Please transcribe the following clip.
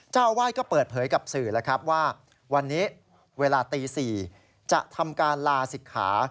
เจ้าอาวาสก็เปิดเผยกับสื่อแล้วครับว่าวันนี้เวลาตี๔จะทำการลาศิกขา